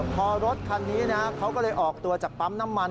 พอรถคันนี้เขาก็เลยออกตัวจากปั๊มน้ำมัน